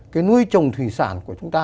cái nuôi trồng thủy sản của chúng ta